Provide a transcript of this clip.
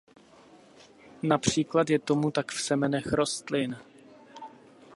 Například je tomu tak v semenech rostlin.